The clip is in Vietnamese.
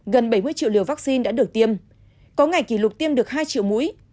gần bảy mươi triệu liều vaccine đã được tiêm có ngày kỷ lục tiêm được hai triệu mũi